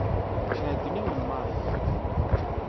Tɛeyyen-awen Mary.